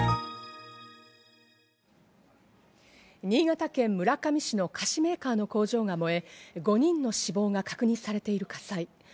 新潟県村上市の菓子メーカーの工場が燃え、５人の死亡が確認されている火災。